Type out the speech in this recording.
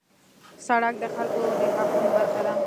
سړک د خلکو د حقونو برخه ده.